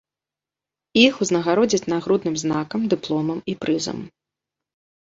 Іх узнагародзяць нагрудным знакам, дыпломам і прызам.